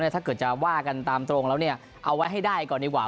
ถ้าเกิดจะว่ากันตามตรงแล้วเอาไว้ให้ได้ก่อนดีกว่า